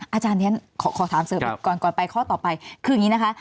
อาจารย์แม้ขอตามเชิญข้อต่อไปคืออย่างงี้นะครับ